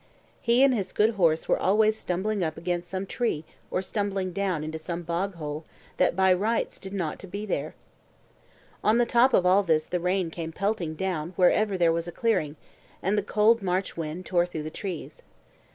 He and his good horse were always stumbling up against some tree or stumbling down into some bog hole that by rights didn't ought to be there. On the top of all this the rain came pelting down wherever there was a clearing, and the cold March wind tore through the trees.